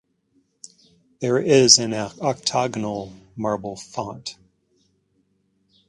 There is an octagonal marble font.